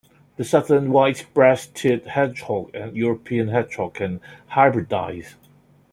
The Southern white-breasted hedgehog and European hedgehog can hybridize.